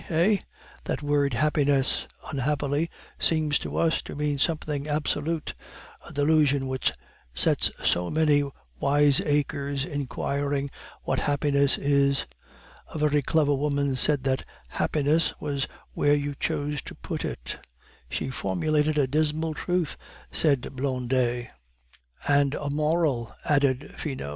eh! that word happiness, unhappily, seems to us to mean something absolute, a delusion which sets so many wiseacres inquiring what happiness is. A very clever woman said that 'Happiness was where you chose to put it.'" "She formulated a dismal truth," said Blondet. "And a moral," added Finot.